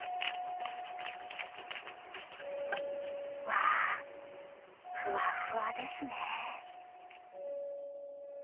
わ、ふわふわですね。